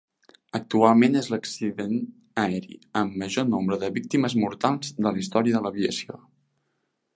Actualment és l'accident aeri amb major nombre de víctimes mortals de la història de l'aviació.